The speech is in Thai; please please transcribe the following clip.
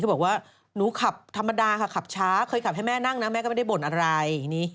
บอกว่าหนูขับธรรมดาค่ะขับช้าเคยขับให้แม่นั่งนะแม่ก็ไม่ได้บ่นอะไร